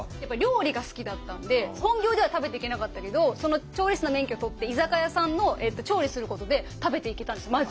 料理が好きだったんで本業では食べていけなかったけど調理師の免許取って居酒屋さんの調理することで食べていけたんです